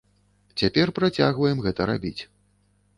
Цяпер працягваем гэта рабіць.